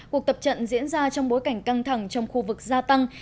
cuộc tập trận diễn ra trong bối cảnh căng thẳng trong khu vực gia tăng